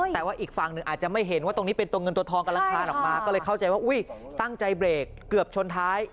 แต่ว่าอีกฝั่งหนึ่งอาจจะไม่เห็นว่าตรงนี้เป็นตัวเงินตัวทองกำลังคลานออกมาก็เลยเข้าใจว่าอุ้ยตั้งใจเบรกเกือบชนท้าย